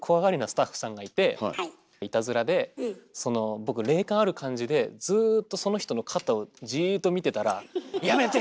スタッフさんがいていたずらで僕霊感ある感じでずっとその人の肩をじーっと見てたら「やめて！」